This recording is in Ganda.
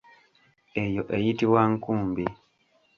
Eyo eyitibwa nkumbi.